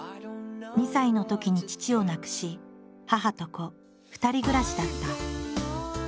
２歳のときに父を亡くし母と子２人暮らしだった。